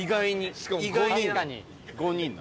しかも５人。